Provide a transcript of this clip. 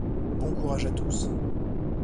Bon courage à tous !